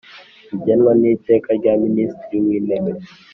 zigenwa n Iteka rya Minisitiri w Intebe